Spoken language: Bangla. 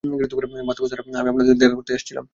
বাতরা স্যার, আমি আপনার সাথে দেখা করতেই আসছিলাম।